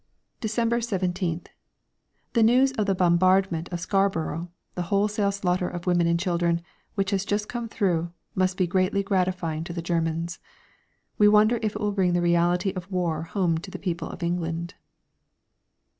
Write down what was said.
December 17th. The news of the bombardment of Scarborough, the wholesale slaughter of women and children, which has just come through, must be greatly gratifying to the Germans! We wonder if it will bring the reality of war home to the people of England.